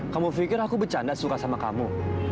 kamu pikir aku bercanda suka sama kamu